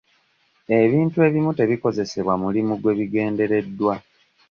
Ebintu ebimu tebikozesebwa mulimu gwe bigendereddwa.